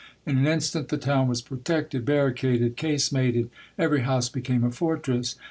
In an instant the town was protected, barricaded, casemated. Every house became a fortress.